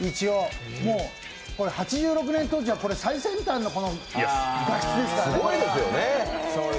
８６年当時は最先端の画質ですからね。